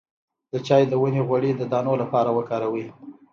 د چای د ونې غوړي د دانو لپاره وکاروئ